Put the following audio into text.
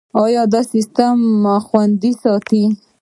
دا کار سیستم خوندي ساتي.